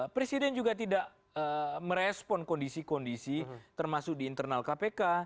presiden juga tidak merespon kondisi kondisi termasuk di internal kpk